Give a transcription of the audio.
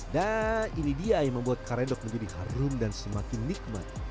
nah ini dia yang membuat karedok menjadi harum dan semakin nikmat